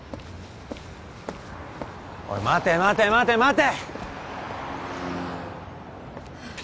おい待て待て待て待て！